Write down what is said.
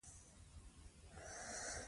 پر هر ځای چي ټولۍ وینی د پوهانو